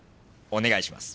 お願いします。